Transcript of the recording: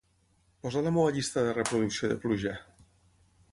posa la meva llista de reproducció de pluja